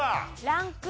ランク４。